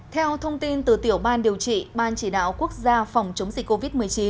theo thông tin từ tiểu ban điều trị ban chỉ đạo quốc gia phòng chống dịch covid một mươi chín